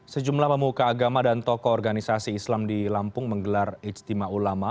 sejumlah pemuka agama dan tokoh organisasi islam di lampung menggelar ijtima ulama